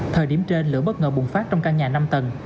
thời điểm trên lửa bất ngờ bùng phát trong căn nhà năm tầng